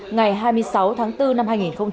ngày hai mươi sáu tháng bốn năm hai nghìn hai mươi